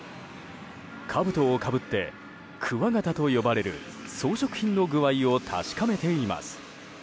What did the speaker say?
かぶとをかぶってくわ形といわれる装飾品の具合を確かめています。